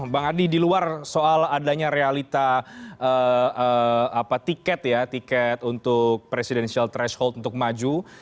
bang adi di luar soal adanya realita tiket ya tiket untuk presidensial threshold untuk maju